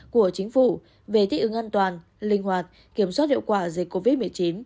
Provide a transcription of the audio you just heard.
của chính phủ về thích ứng an toàn linh hoạt kiểm soát hiệu quả dịch covid một mươi chín